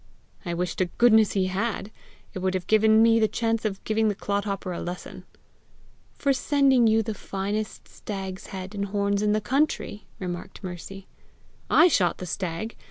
"I wish to goodness he had! It would have given me the chance of giving the clodhopper a lesson." "For sending you the finest stag's head and horns in the country!" remarked Mercy. "I shot the stag!